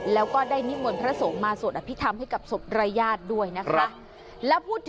แล้วก็ได้มิมวลพระสงฆ์มาโสดอภิรัมน์ให้กับศพรายาชด้วยนะคะ